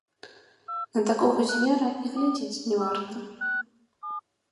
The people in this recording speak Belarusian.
На такога звера і глядзець не варта.